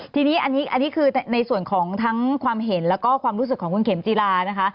ทีนี้อันนี้คือในส่วนของทั้งความเห็นแล้วก็ความรู้สึกของคุณเข็มจีรานะคะ